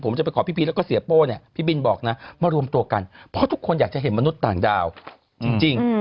ผมจะไปขอพี่พีชแล้วก็เสียโป้เนี่ยพี่บินบอกนะมารวมตัวกันเพราะทุกคนอยากจะเห็นมนุษย์ต่างดาวจริง